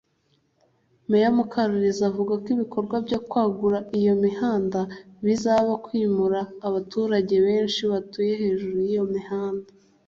Meya Mukaruliza avuga ko ibikorwa byo kwagura iyo mihanda bizasaba kwimura abaturage benshi batuye hejuru y’iyo mihanda